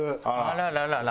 あらららら。